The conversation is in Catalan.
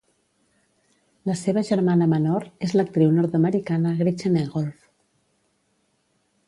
La seva germana menor és l'actriu nord-americana Gretchen Egolf.